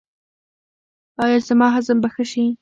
ایا زما هضم به ښه شي؟